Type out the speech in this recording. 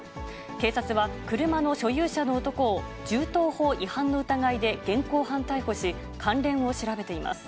警察は車の所有者の男を、銃刀法違反の疑いで現行犯逮捕し、関連を調べています。